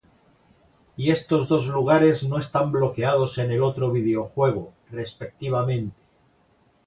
Y estos dos lugares no están bloqueados en el otro videojuego, respectivamente.